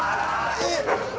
えっ？